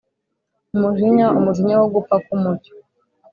umujinya, umujinya wo gupfa k'umucyo.